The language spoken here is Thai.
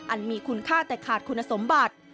อันมีคุณค่าแต่ขาดคุณสมบัติ